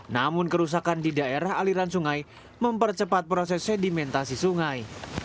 namun kerusakan di daerah aliran sungai mempercepat proses sedimentasi sungai